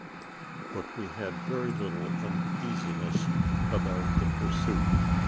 But we had very little uneasiness about the pursuit.